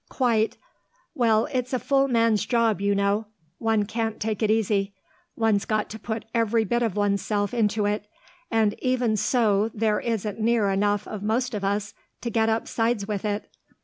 "Quite. Well, it's a full man's job, you know; one can't take it easy. One's got to put every bit of oneself into it, and even so there isn't near enough of most of us to get upsides with it....